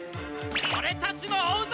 オレたちも追うぞ！